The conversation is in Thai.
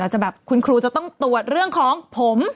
จะแบบคุณครูจะต้องตรวจเรื่องของผม